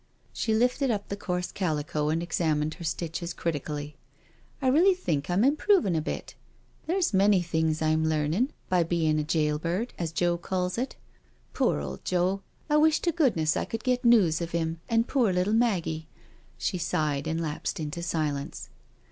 She lifted up the coarse calico and examined her stitches critically; " I really think I'm improvin' a bit — there*s many things I'm learnin' by bein' a jail bird, as Joe calls it. Poor old Joel I wish to goodness I could get news of him and poor little Maggie." She sighed and lapsed into silence.